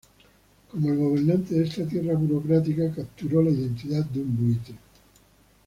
Como el gobernante de esta tierra burocrática, capturó la identidad de un buitre.